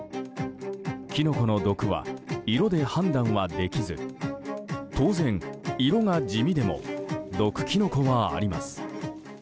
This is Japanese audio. キノコの毒は色で判断はできず当然、色が地味でも毒キノコはあります。